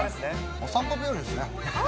お散歩日和ですね。